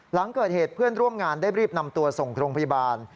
หลังเกิดเหตุเพื่อนร่วมงานได้รีบนำตัวส่งโรงพยาบาล